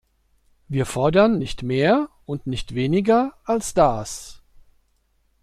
Wir fordern nicht mehr und nicht weniger als das.